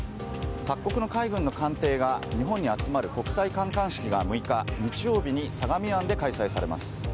各国の海軍の艦艇が日本に集まる国際観艦式が６日、日曜日に相模湾で開催されます。